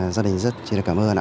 gia đình rất cảm ơn